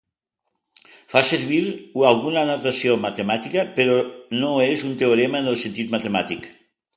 Fa servir alguna notació matemàtica, però no és un teorema en el sentit matemàtic.